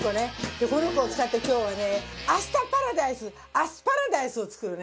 でこの子を使って今日はね明日パラダイスアスパラダイスを作るね。